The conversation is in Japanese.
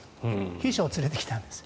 秘書を連れてきたんです。